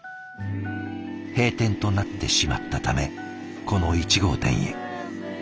閉店となってしまったためこの１号店へ。